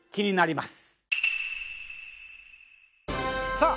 さあ